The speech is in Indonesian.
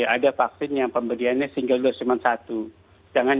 ada vaksin yang pemberiannya single doors cuma satu